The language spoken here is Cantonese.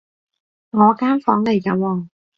我間房嚟㗎喎